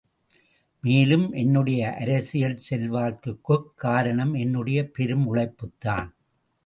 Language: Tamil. மேலும் என்னுடைய அரசியல் செல்வாக்கிற்குக் காரணம் என்னுடைய பெரும் உழைப்புத்தான்.